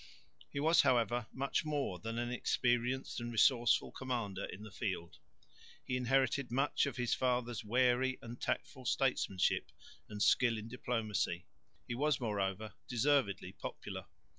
He was, however, much more than an experienced and resourceful commander in the field. He inherited much of his father's wary and tactful statesmanship and skill in diplomacy. He was, moreover, deservedly popular.